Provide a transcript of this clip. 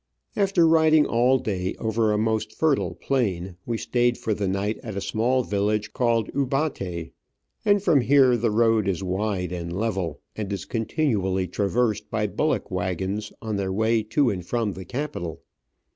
After riding all day over a most fertile plain, we stayed for the night at a small village called Ubate, and from here the road is wide and level, and is continually traversed by bullock waggons on their way to and from the capital.